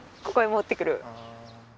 ここへ持ってくる。